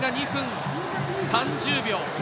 ２分３０秒。